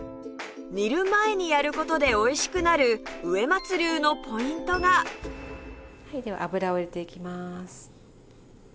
煮る前にやる事でおいしくなる植松流のポイントがでは油を入れていきます。